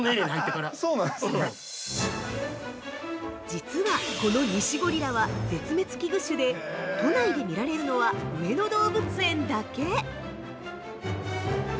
◆実は、このニシゴリラは絶滅危惧種で、都内で見られるのは上野動物園だけ！